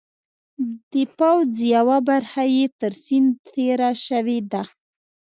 د پوځ یوه برخه یې تر سیند تېره شوې ده.